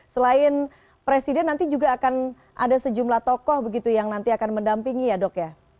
selain presiden nanti juga akan ada sejumlah tokoh begitu yang nanti akan mendampingi ya dok ya